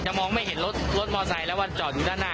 มองไม่เห็นรถรถมอไซค์แล้ววันจอดอยู่ด้านหน้า